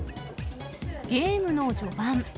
ゲームの序盤。